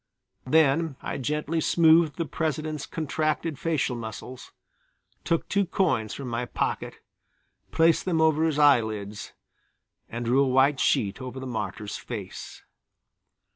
Then I gently smoothed the President's contracted facial muscles, took two coins from my pocket, placed them over his eyelids and drew a white sheet over the martyr's face.